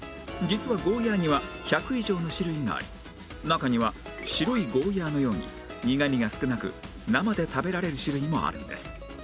実はゴーヤーには１００以上の種類があり中には白いゴーヤーのように苦みが少なく生で食べられる種類もあるんです